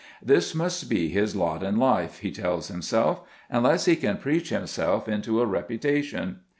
This must be his lot in life, he tells himself, unless he can preach himself into a reputation.